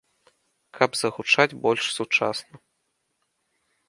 Каб загучаць больш сучасна.